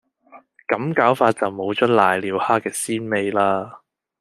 咁搞法就冇咗攋尿蝦嘅鮮味喇